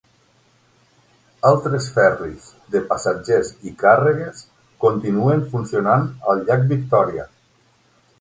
Altres ferris de passatgers i càrregues continuen funcionant al llac Victòria.